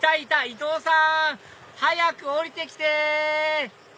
伊藤さん早く降りて来て！